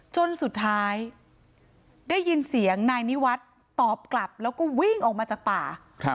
จนสุดท้ายได้ยินเสียงนายนิวัฒน์ตอบกลับแล้วก็วิ่งออกมาจากป่า